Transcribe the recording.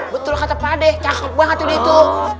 betul kata pak d cakep banget itu